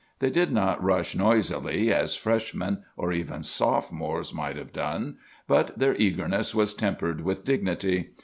They did not rush noisily, as Freshmen, or even Sophomores, might have done; but their eagerness was tempered with dignity.